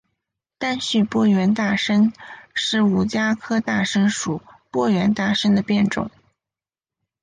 单序波缘大参是五加科大参属波缘大参的变种。